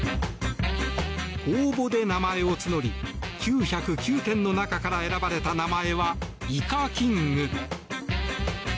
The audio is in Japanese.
公募で名前を募り９０９点の中から選ばれた名前は、イカキング！